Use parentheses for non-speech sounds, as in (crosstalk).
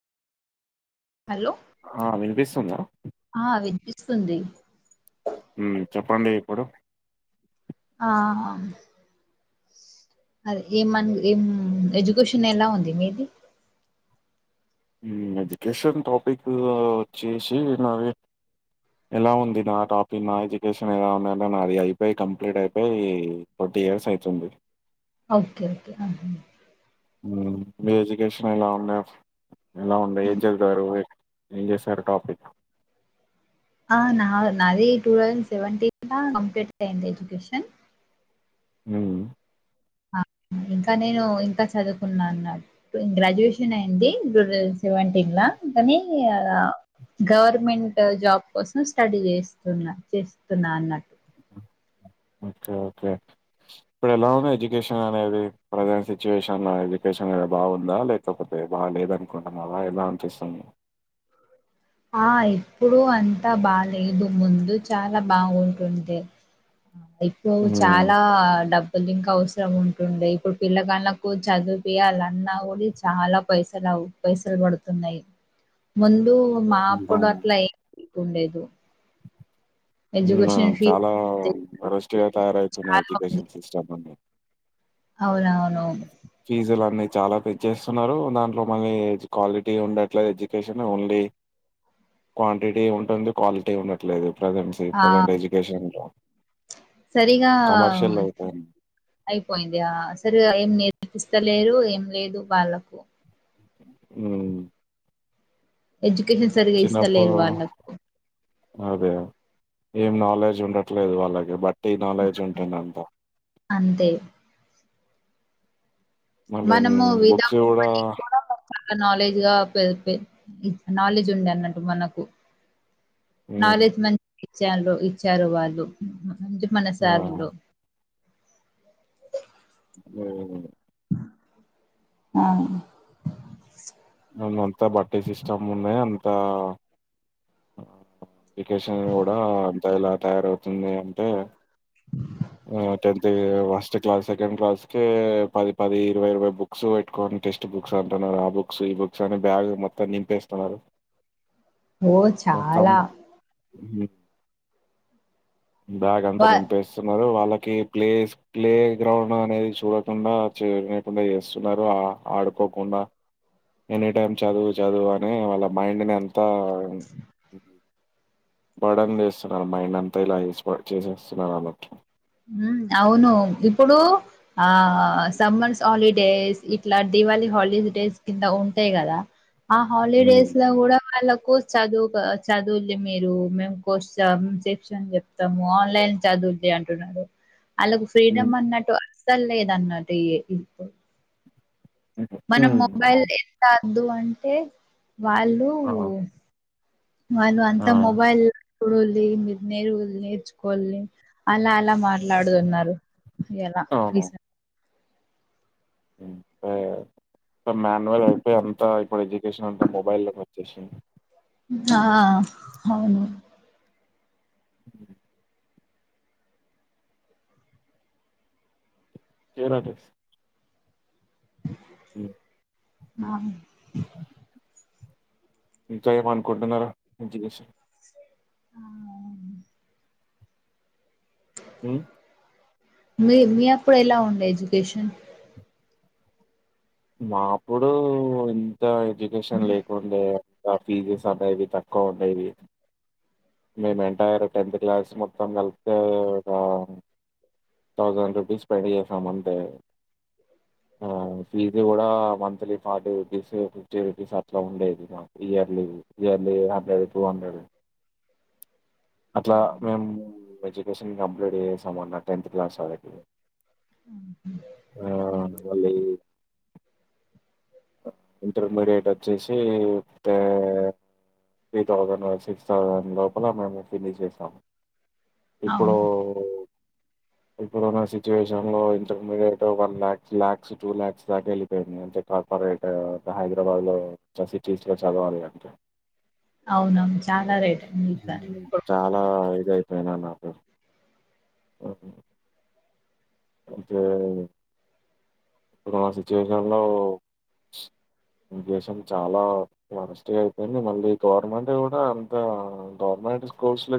Hello ఆ వినిపిస్తుందా స్తుంది. మ్ చెప్పండి ఇప్పుడు ఆ అది ఏమన్ ఏం ఎడ్యుకేషన్ ఎలా ఉంది మీది ఎడ్యుకేషన్ టాపిక్ వచ్చేసి నాది ఎలా ఉంది నా టాపిక్ నా ఎడ్యుకేషన్ ఎలా ఉంది నా అది అయిపోయి కంప్లీట్ అయిపోయి ఫోర్టీ ఇయర్స్ అయితుంది. ఓకే ఓకే అంతేనా మీ ఎడ్యుకేషన్ ఇలా ఉండే అప్ ఎలా ఉండే ఏం చదివారు. ఎమ్ చేసారు టాపిక్ ఆ నా నాది టు తౌసండ్ సేవెంటిన్ లా కంప్లీట్ అయ్యింది ఎడ్యుకేషన్. మ్ ఆ ఇంక నేను ఇంకా చదువుకున్నా అన్నట్టు గ్రాడ్యుయేషన్ అయింది టూ థౌసండ్ సెవెంటీన్ ల కనీ గవర్మెంట్ జాబ్ కోసం స్టడీ చేస్తున్నా చేస్తున్నా అన్నట్టు ఒకే ఒకే ఇప్పుడు ఎలా ఉంది. ఎడ్యుకేషన్ అనేది ప్రజెంట్ సిచ్యువేషన్లో ఎడ్యుకేషన్ అనేది బాగుంద లేకపోతే బాగ లేదనుకుంటున్నావ ఎలా అనిపిస్తుంది. ఆ ఇప్పుడు అంతా బాలేదు ముందు చాలా బాగుంటుంటే ఎక్కువ హ్మ్. చాలా డబ్ ఇంక అవసరం ఉంటుండే ఇప్పుడు పిల్ల గాళ్ళకు చదువు పియాలన్న కూడ చాలా పైసలు పైసలు పడుతున్నాయి. ముందు మా హ్మ్. అప్పుడు అవును. అట్ల ఎ ఉండేదు మ్ ఎడ్యుకేషన్ ఫీ చాలా వారెస్ట్ గ తయారయితున్నాయి ఎడ్యుకేషన్ సిస్టమ్ అన్ని అవునవు ఫీజ్ ఎల ఉన్నాయి. చాల పెంచేస్తున్నారు దాంట్లో మళ్ళీ క్వాలిటీ ఉండట్లేదు ఎడ్యుకేషన్ ఓన్లీ క్వాంటిటీ ఉంటుంది క్వాలిటీ ఉండట్లేదు. ప్రెజెంట్ సి ఆ ప్రెజెంట్ ఎడ్యుకేషన్‌లో. సరిగా ఆ కమర్షియల్ అయిపోయింది. అయిపోయింది ఆ సరి నేర్పిస్తలేరు ఏం లేదు వాళ్ళకు ఉమ్ ఎడ్యుకేషన్ సరిగా ఇస్తలేదు వాళ్ళ అదే. ఏం నాలెడ్జ్ ఉండట్లేదు వాళ్ళకి బట్టి నాలెడ్జ్ ఉంటుంది అంతా అంతే మళ్ళీ మనము బుక్స్ వితౌట్ కూడ మనీ కూడా చాలా నాలెడ్జ్ గా పె పె నాలెడ్జ్ ఉండే అన్నట్టు మనకు హ్మ్. నాలెడ్జ్ మంన్ ఇచ్చారు ఇచ్చారు వాళ్ళు నుంచి మన ఆ! సార్లో ఉమ్ ఆ అంతా బట్టి సిస్టమ్ ఉన్నాయి అంత ఎడ్యుకేషన్ కూడ అంత ఎలా తయారవుతుంది అంటే ఆ ten first class second class కె పది పది ఇరవై ఇరవై బుక్స్ పెట్టుకొని టెస్ట్ బుక్స్ అంటున్నారు ఆ బుక్ బుక్స్ ఈ బుక్స్ అని బ్యాగ్ మొత్తం నింపేస్తున్నారు. ఓ చాల హు బ్యాగ్ అంత వా నింపేస్తున్నారు వాళ్ళ కే ప్లేస్ ప్లే గ్రౌండ్ అనేది సూడకుండ చేయనికుండ చేస్తున్నారు ఆడుకోకుండా ఎని టైమ్ చదువు చదువు అని వాళ్ళ మైండ్ నే తా బడన్ చేస్తున్నారు మైండ్ అంతా ఇలా చేసేస్తున్నారు అనట్ అవును ఇప్పుడు ఆ సమ్మర్స్ హాలిడేస్ ఇట్లా దీవళి హాలిడేడేస్ కింద ఉంటాయి కదా ఆ హాలిడేస్ లో కూడా వాళ్ళక్ కోర్స్ చదువు చదువులే మీరు మేము కోర్స్ శిక్షన్ చెప్తాము ఆన్లైన్ చదువులే అం అంతేనండి వాళ్ళకు ఉమ్. ఫ్రీడమ్ అన్నట్టు అస్ అసల్ లేదు అన్నట్ ఇ ఇప్పు హ్మ్. మనం హ్మ్. మొబైల్ అవును. ఎంత వద్దు అంటే వాళ్ళు ఆ! వాళ్ళు ఆ! అంత మొబైల్ ఇడు మీ నేరు నేర్చుకోని అలా అలా మాట్లాడుతున్నారు ఎలా ఇస ఇ మాన్యువల్ అయిపోయి అంతా ఇప్పుడు ఎడ్యుకేషన్ అంత మొబైల్ లో కి వచ్చేసింది. ఆ అవును హ చేనా తెస్ ఆ ఇంకా ఏమనుకుంటున్నారు పించిసి ఆ అవును హ్మ్. మీ మీ అప్పుడు ఎలా ఉండే ఎడ్యుకేషన్ మా అప్పుడు అంత ఎడ్యుకేషన్ లేకుండే ఇగ కాఫీది సమయంవి తక్కువ ఉండేవి మేము ఎంటైర్ టెన్త్ క్లాస్ మొత్తం కలిత్తే, ఒక థౌజండ్ రూపీస్ స్పెండ్ చేసాం అంతే, ఆ ఫీజు కూడా monthly forty rupees, fifty rupees అట్లా ఉండేది మాకు. Yearly yearly hundred two hundred అట్లా మేం ము ఎడ్యుకేషన్ కంప్లీట్ చేసామన్న టెన్త్ క్లాస్ వాళ్ళకి ఆ వాళ్లయి ఇంటర్మీడియట్ వచ్చేసి త్రీ థౌజండ్ సిక్స్ దాని లోపల మేము ఫినిష్ చేసాము ఇప్పుడు అవును ఇప్పుడు నా సిచువేషన్ లో intermediate one lakhs lakhs two lakhs దాకా వెళ్ళిపోయింది. ఫోర్గేట్ హైదరాబాద్ లో చసి చీస్లో చదవ అన్నట్ అవునవున చాలా రేట్ (inaudible) జై ఫైనా నా ఓ హొ అయితే ఇప్పుడు మా సిచ్యువేషన్ లో దేశం చాలా వరెస్ట్గా అయిపోయింది మళ్ళీ గవర్నమెంట్ కూడా అంత గవర్నమెంట్ స్కూల్స్ లో